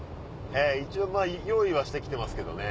一応用意はして来てますけどね。